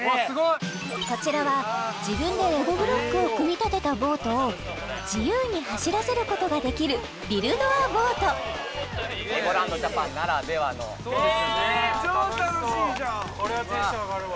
こちらは自分でレゴブロックを組み立てたボートを自由に走らせることができるビルド・ア・ボートそうですよね